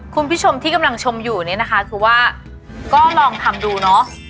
คุณผู้ชมที่กำลังชมอยู่เนี่ยนะคะคือว่าก็ลองทำดูเนาะ